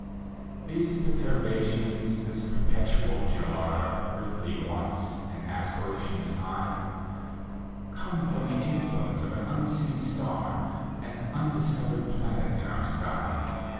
These perturbations, this perpetual jar Of earthly wants and aspirations high. Come from the influence of an unseen stafi An undiscovered planet in our sky.